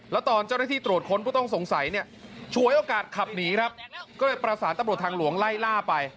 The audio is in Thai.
แล้วตอนเจ้าหน้าที่ตรวจค้นผู้ต้องสงสัยเนี่ยฉวยโอกาสขับหนีครับก็เลยประสานตำรวจทางหลวงไล่ล่าไป